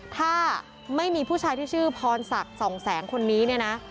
ถ้าไม่มีผู้ชายที่ชื่อพรศักดิ์ส่องแสงคนนี้เนี่ยนะ